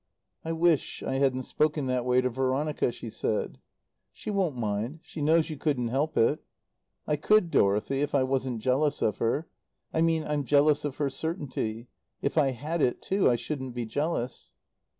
"I wish I hadn't spoken that way to Veronica," she said. "She won't mind. She knows you couldn't help it." "I could, Dorothy, if I wasn't jealous of her. I mean I'm jealous of her certainty. If I had it, too, I shouldn't be jealous."